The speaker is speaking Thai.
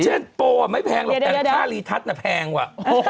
โปรไม่แพงหรอกแต่ค่ารีทัศน์น่ะแพงว่ะ